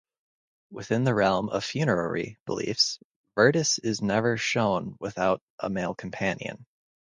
Within the realm of funerary reliefs Virtus is never shown without a male companion.